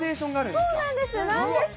そうなんです。